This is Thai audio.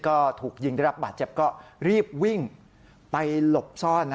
ก็ถูกยิงได้รับบาดเจ็บก็รีบวิ่งไปหลบซ่อน